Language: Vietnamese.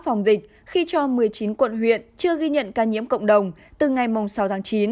phòng dịch khi cho một mươi chín quận huyện chưa ghi nhận ca nhiễm cộng đồng từ ngày sáu tháng chín